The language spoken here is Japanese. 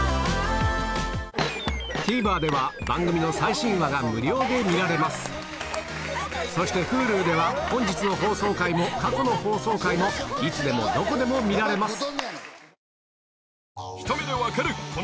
ＴＶｅｒでは番組の最新話が無料で見られますそしてＨｕｌｕでは本日の放送回も過去の放送回もいつでもどこでも見られます